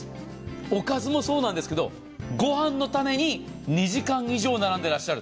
オカズもそうなんですけど御飯のために２時間以上並んでいらっしゃる。